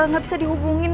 gak bisa dihubungin